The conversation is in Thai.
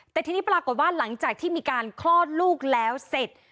แต่ทีนี้ปรากฏว่าหลังจากที่มีการคลอดลูกแล้วเสร็จ